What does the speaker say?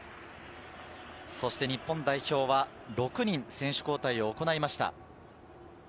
そして日本代表は、６人、選手交代を行いました。